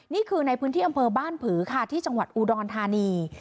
นี่คือในพื้นที่อำเภอบ้านผือค่ะที่จังหวัดอุดรธานี